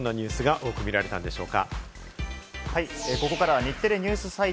続いてネットでは、どんなニュースが多く見られたんでしょうか。